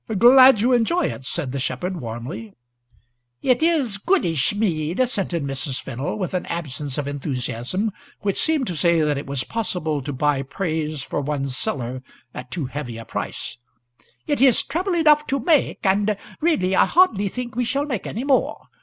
"Glad you enjoy it!" said the shepherd, warmly. "It is goodish mead," assented Mrs. Fennel, with an absence of enthusiasm which seemed to say that it was possible to buy praise for one's cellar at too heavy a price. "It is trouble enough to make and really I hardly think we shall make any more.